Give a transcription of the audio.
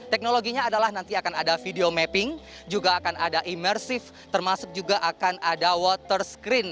teknologinya adalah nanti akan ada video mapping juga akan ada imersif termasuk juga akan ada water screen